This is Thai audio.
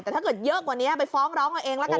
แต่ถ้าเกิดเยอะกว่านี้ไปฟ้องร้องเอาเองละกัน